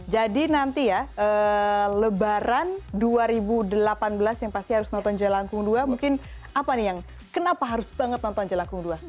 jadi nanti ya lebaran dua ribu delapan belas yang pasti harus nonton jalan kung dua mungkin apa nih yang kenapa harus banget nonton jalan kung dua